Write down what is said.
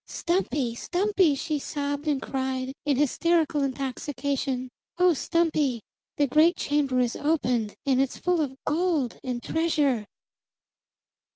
"Stumpy! Stumpy!" she sobbed and cried in hysterical intoxication. "Oh, Stumpy, the great chamber is open, and it's full of gold and treasure!"